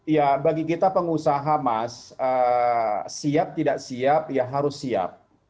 ya bagi kita pengusaha mas siap tidak siap ya harus siap